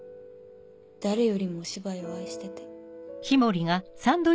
誰よりもお芝居を愛してて。